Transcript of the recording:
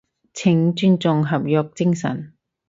請尊重合約精神